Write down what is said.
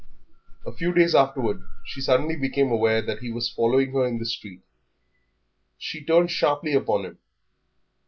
A few days afterward she suddenly became aware that he was following her in the street. She turned sharply upon him.